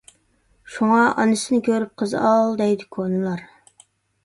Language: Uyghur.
شۇڭا، «ئانىسىنى كۆرۈپ قىز ئال» دەيدۇ كونىلار.